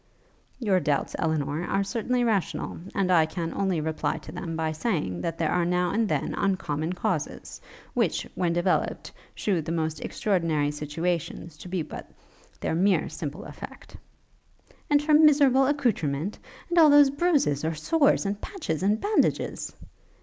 'Your doubts, Elinor, are certainly rational; and I can only reply to them, by saying, that there are now and then uncommon causes, which, when developed, shew the most extraordinary situations to be but their mere simple effect.' 'And her miserable accoutrement? And all those bruises, or sores, and patches, and bandages?